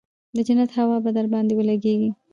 د جنت هوا به درباندې ولګېګي.